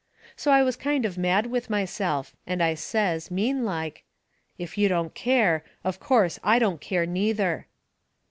So I was kind of mad with myself, and I says, mean like: "If you don't care, of course, I don't care, neither."